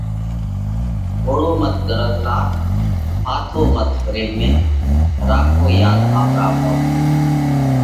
ڍوڙو مت غرض لار، ڦاٿو مت فريٻ ۾، راکو ياڌ آپرا موت نئہ!